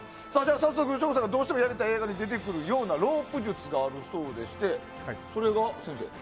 早速、省吾さんがどうしてもやりたい映画に出てくるようなロープ術があるそうでして。